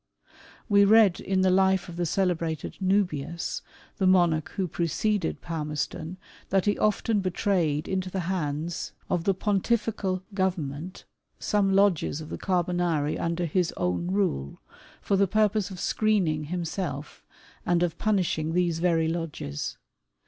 We read in the life of the celebrated JSfuhius, the monarch who preceded Palmerston, that he often betraved into the hands of the Pontifical Govern 1 38 WAR OF ANTICHRIST WITH THE CHURCH. meiit some lodges of the Carbonari under his own rule, for the purpose of screening himself and of punishing these very lodges.